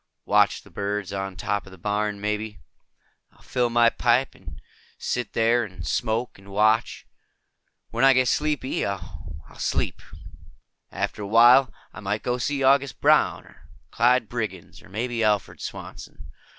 Watch the birds on top of the barn, maybe. I'll fill my pipe and sit there and smoke and watch. And when I get sleepy, I'll sleep. After a while I might go see August Brown or Clyde Briggs or maybe Alfred Swanson.